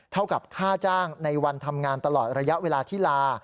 เท่ากับค่าจ้างในวันทำงานตลอดระยะเวลาที่ลา